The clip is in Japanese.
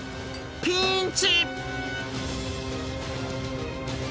ピーンチ！